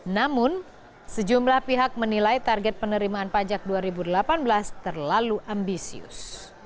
namun sejumlah pihak menilai target penerimaan pajak dua ribu delapan belas terlalu ambisius